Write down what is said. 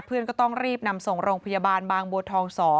เพื่อนก็ต้องรีบนำส่งโรงพยาบาลบางบัวทอง๒